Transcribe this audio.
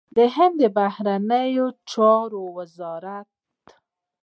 د هند د بهرنيو چارو وزارت